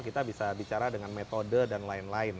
kita bisa bicara dengan metode dan lain lain